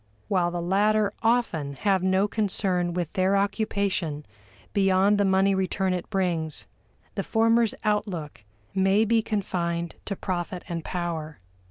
While the latter often have no concern with their occupation beyond the money return it brings, the former's outlook may be confined to profit and power.